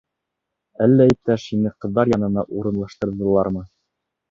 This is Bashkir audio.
Әллә иптәш, һине ҡыҙҙар янына урынлаштырҙылармы?